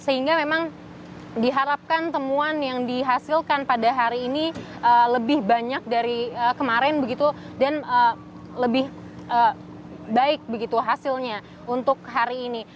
sehingga memang diharapkan temuan yang dihasilkan pada hari ini lebih banyak dari kemarin begitu dan lebih baik begitu hasilnya untuk hari ini